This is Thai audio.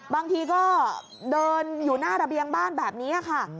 บางทีก็เดินอยู่หน้าระเบียงบ้านแบบนี้ค่ะ